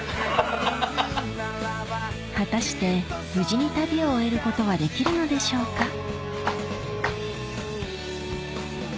果たして無事に旅を終えることはできるのでしょうか？